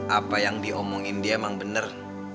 apa yang diomongin dia emang bener